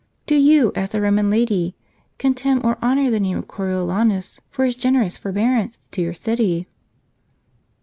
Do you, as a Koman lady, contemn or honor the name of Coriolanus, for his generous forbearance to your city